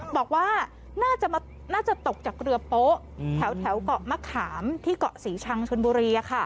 บอกว่าน่าจะตกจากเรือโป๊ะแถวเกาะมะขามที่เกาะศรีชังชนบุรี